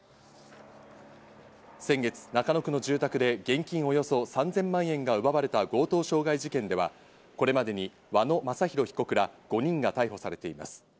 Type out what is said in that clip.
先月、中野区の住宅で現金およそ３０００万円が奪われた強盗傷害事件では、これまでに和野正弘被告ら５人が逮捕されています。